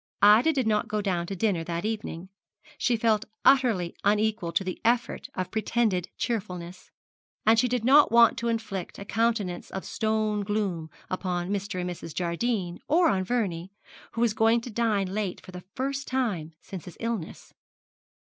Ida did not go down to dinner that evening. She felt utterly unequal to the effort of pretended cheerfulness, and she did not want to inflict a countenance of stony gloom upon Mr. and Mrs. Jardine, or on Vernie, who was going to dine late for the first time since his illness.